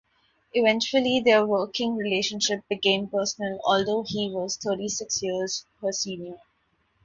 Eventually their working relationship became personal although he was thirty-six years her senior.